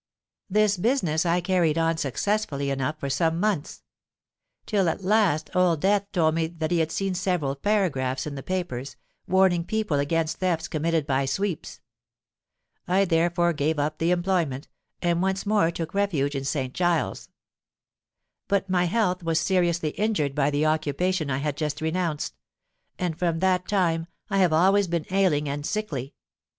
"This business I carried on successfully enough for some months; till at last Old Death told me that he had seen several paragraphs in the papers, warning people against thefts committed by sweeps. I therefore gave up the employment, and once more took refuge in St. Giles's. But my health was seriously injured by the occupation I had just renounced; and from that time I have always been ailing and sickly.